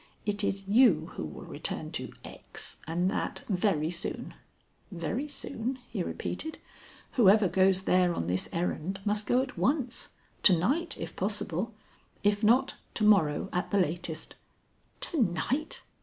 It is you who will return to X., and that, very soon." "Very soon?" he repeated. "Whoever goes there on this errand must go at once; to night, if possible; if not, to morrow at the latest." "To night!